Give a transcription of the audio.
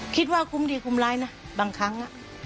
คิดว่าคุ้มดีคุ้มร้ายนะบางครั้ง